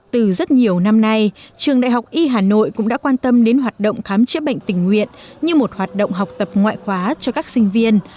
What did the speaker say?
từ rất nhiều năm nay trường đại học y hà nội cũng đã quan tâm đến hoạt động khám chữa bệnh tình nguyện như một hoạt động học tập ngoại khóa cho các sinh viên